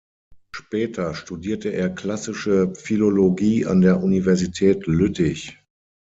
Später studierte er klassische Philologie an der Universität Lüttich.